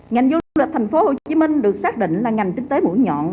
ngành du lịch thành phố hồ chí minh được xác định là ngành kinh tế mũi nhọn